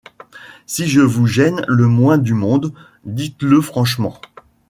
Si je vous gêne le moins du monde, dites-le franchement.